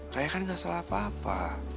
saya kan gak salah apa apa